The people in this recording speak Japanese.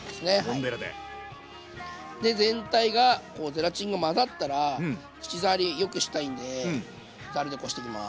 全体がゼラチンが混ざったら口触りよくしたいんでざるでこしていきます。